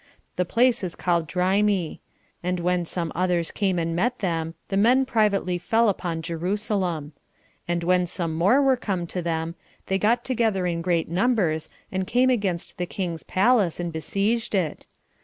The place is called Drymi; and when some others came and met them, the men privately fell upon Jerusalem; and when some more were come to them, they got together in great numbers, and came against the king's palace, and besieged it.